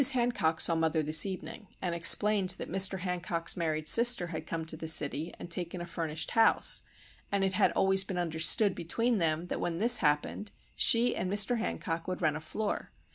Hancock saw mother this evening, and explained that Mr. Hancock's married sister had come to the city and taken a furnished house, and it had always been understood between them that when this happened she and Mr. Hancock would rent a floor.